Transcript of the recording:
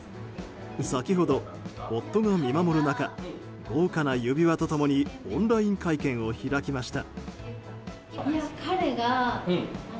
先ほど、夫が見守る中豪華な指輪とともにオンライン会見を開きました。